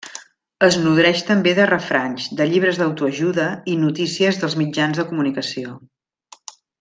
Es nodreix també de refranys, de llibres d'autoajuda i notícies dels mitjans de comunicació.